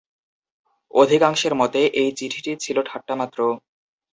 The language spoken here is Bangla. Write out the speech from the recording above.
অধিকাংশের মতে, এই চিঠিটি ছিল ঠাট্টা মাত্র।